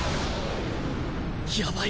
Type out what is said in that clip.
やばい！